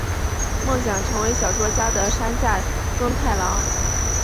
梦想成为小说家的山下耕太郎！